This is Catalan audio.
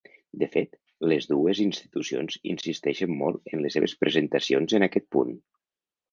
De fet, les dues institucions insisteixen molt en les seves presentacions en aquest punt.